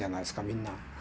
みんな。